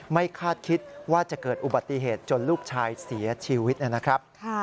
คาดคิดว่าจะเกิดอุบัติเหตุจนลูกชายเสียชีวิตนะครับ